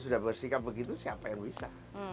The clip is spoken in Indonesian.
sudah bersikap begitu siapa yang bisa